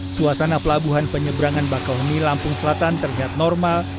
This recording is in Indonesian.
suasana pelabuhan penyeberangan bakauheni lampung selatan terlihat normal